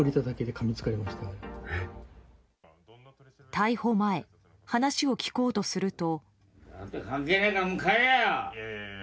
逮捕前、話を聞こうとすると。